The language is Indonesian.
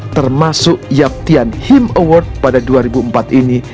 termasuk yaptian him award pada dua ribu empat ini